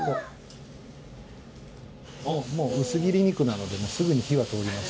もう薄切り肉なのですぐに火は通ります。